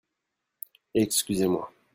Excusez-moi (pour une erreur).